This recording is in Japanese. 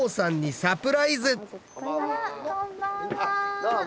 どうも！